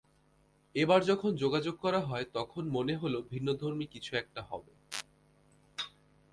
এবার যখন যোগাযোগ করা হয়, তখন মনে হলো ভিন্নধর্মী কিছু একটা হবে।